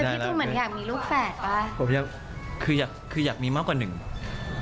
แต่พี่จูนเหมือนอยากมีลูกแฝดป่ะ